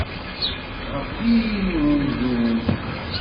Ɣef yiri n umdun.